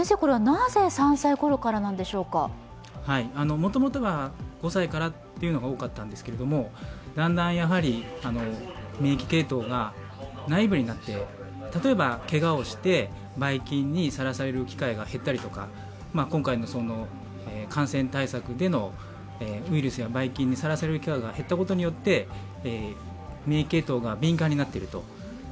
もともとは５歳からというのが多かったんですけれども、だんだん免疫系統がナイーブになって、例えばけがをしてばい菌にさらされる機会が減ったりとか今回の感染対策でのウイルスやばい菌にさらされる機会が減ったことによって免疫系統が敏感になっていると。